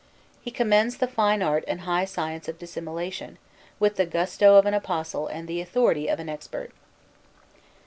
He commends the fine art and high science of dissimulation with the gusto of an apostle and the authority of an expert.